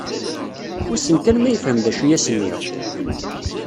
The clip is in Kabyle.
Wissen kan ma yefhem d acu i as-nniɣ?